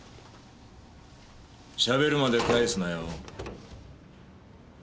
しゃべるまで帰すなよ。